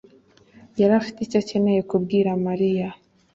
yari afite icyo akeneye kubwira Mariya.